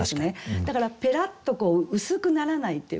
だからペラッと薄くならないっていうか